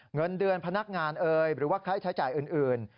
เงินเดือนพนักงานเอ่ยหรือว่าค่าใช้จ่ายอื่น